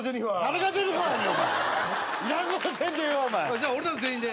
じゃあ俺たち全員で。